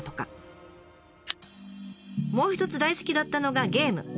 もう一つ大好きだったのがゲーム。